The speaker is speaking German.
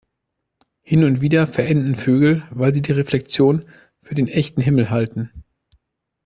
Hin und wieder verenden Vögel, weil sie die Reflexion für den echten Himmel halten.